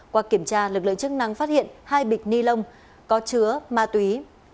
qua kiểm tra lực lượng chức năng phát hiện hai bịch ni lông có chứa ma túy